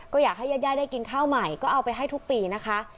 ก็อยากให้ญาติย่าได้กินข้าวใหม่ก็เอาไปให้ทุกปีนะคะ